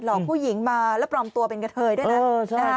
อกผู้หญิงมาแล้วปลอมตัวเป็นกระเทยด้วยนะ